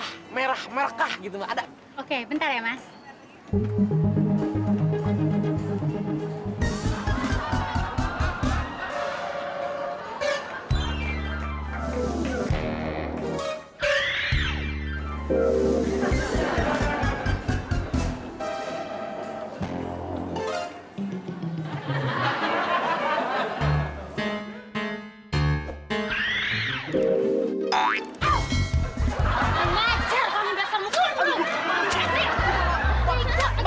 hadiahnya apaan nih om